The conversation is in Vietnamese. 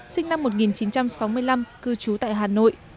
sinh năm một nghìn chín trăm sáu mươi năm cư trú tại hà nội